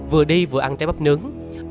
vừa đi vừa ăn trái bắp nướng